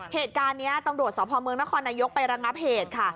เหตุการณ์นี้ตำรวจสพเมืองนครนายกไประงับเหตุค่ะ